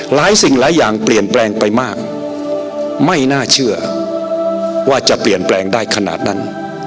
สิ่งหลายอย่างเปลี่ยนแปลงไปมากไม่น่าเชื่อว่าจะเปลี่ยนแปลงได้ขนาดนั้น